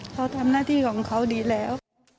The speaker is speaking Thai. เขาทำหน้าที่ของเขาดีแล้ว